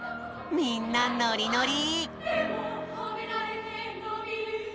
みんなノリノリ！